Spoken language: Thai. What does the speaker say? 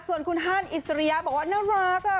ส่วนคุณฮ่านอิซเรียบอกว่าน่ารักค่ะ